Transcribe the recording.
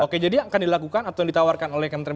oke jadi akan dilakukan atau ditawarkan